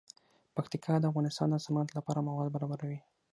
پکتیکا د افغانستان د صنعت لپاره مواد برابروي.